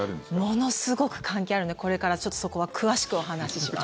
ものすごく関係あるのでこれからちょっとそこは詳しくお話しします。